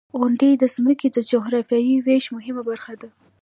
• غونډۍ د ځمکې د جغرافیوي ویش مهمه برخه ده.